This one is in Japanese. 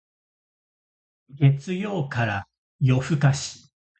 月曜から夜更かし